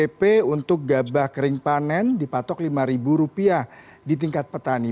hpp untuk gabah kering panen dipatok rp lima di tingkat petani